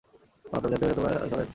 বাপরে, আমি জানতাম না তোমরা সবাই আসবে।